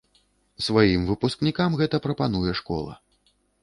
Сваім выпускнікам гэта прапануе школа.